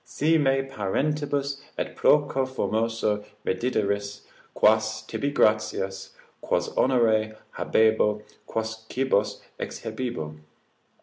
Si me parentibus et proco formoso reddideris, quas, tibi gratias, quos honores habebo, quos cibos exhibebo?